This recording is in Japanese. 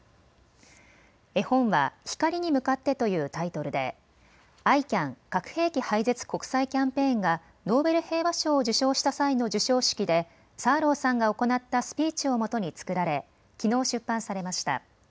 絵本は光にむかってというタイトルでＩＣＡＮ・核兵器廃絶国際キャンペーンがノーベル平和賞を受賞した際の授賞式でサーローさんが行ったスピーチをもとに作られきのう出版されました。